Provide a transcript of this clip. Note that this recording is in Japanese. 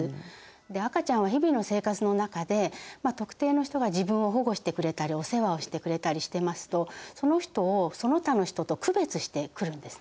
赤ちゃんは日々の生活の中で特定の人が自分を保護してくれたりお世話をしてくれたりしてますとその人をその他の人と区別してくるんですね。